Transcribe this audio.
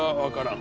ん？